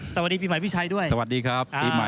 สวัสดีครับปีใหม่๒๕๕๙ครับ